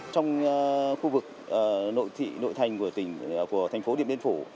trong khu vực nội thị nội thành của thành phố điện biên phủ